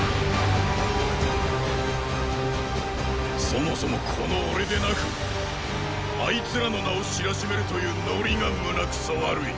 そもそもこの俺でなくあいつらの名を知らしめるという乗りが胸クソ悪い。